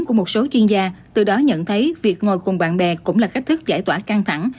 của một số chuyên gia từ đó nhận thấy việc ngồi cùng bạn bè cũng là cách thức giải tỏa căng thẳng